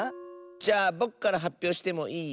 じゃあぼくからはっぴょうしてもいい？